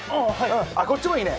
あっこっちもいいね。